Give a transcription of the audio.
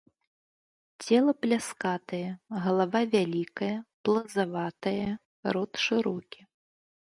Цела пляскатае, галава вялікая, плазаватая, рот шырокі.